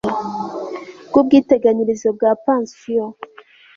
bw ubwiteganyirize bwa pansiyo